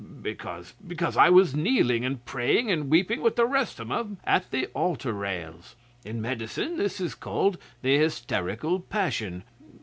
'Because because I was kneeling, and praying, and weeping with the rest of 'em at the Altar rails. In medicine this is called the Hysterical Passion.